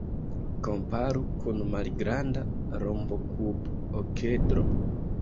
Komparu kun malgranda rombokub-okedro.